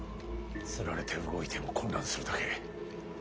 つられて動いても混乱するだけ。